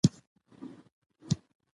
هغه د بازار څخه سودا راوړه